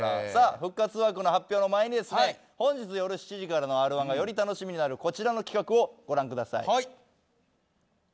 復活枠の発表の前に本日夜７時からのＲ−１がより楽しみになるこちらの企画をご覧ください。